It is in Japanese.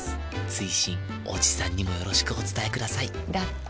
追伸おじさんにもよろしくお伝えくださいだって。